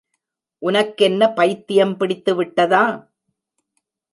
உனக்கென்ன பைத்தியம் பிடித்துவிட்டதா?